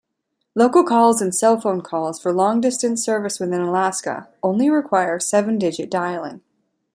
Local calls and cellphone calls for long-distance service within Alaska, only require seven-digit dialing.